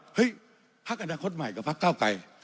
พักอนาคตใหม่กับพักเก้าไกร